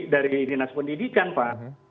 dinas pendidikan pak